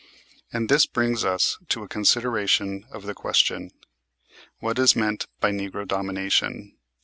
And this brings us to a consideration of the question, What is meant by "Negro Domination?"